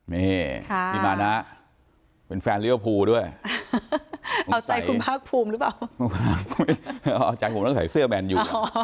นี่พี่มานะเป็นแฟนเรียวภูมิด้วยตรงใส่อ๋อใจผมต้องใส่เสื้อแมนอยู่